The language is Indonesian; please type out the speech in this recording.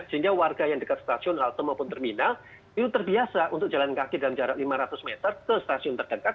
sehingga warga yang dekat stasiun halte maupun terminal itu terbiasa untuk jalan kaki dalam jarak lima ratus meter ke stasiun terdekat